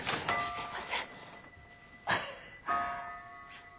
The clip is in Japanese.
すいません。